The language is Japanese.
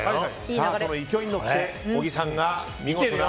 その勢いに乗って小木さんが、見事な。